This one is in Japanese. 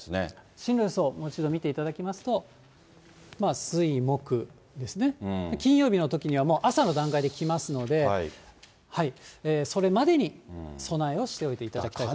進路予想、もう一度見ていただきますと、水、木ですね、金曜日のときにはもう朝の段階で来ますので、それまでに備えをしておいていただきたいと思います。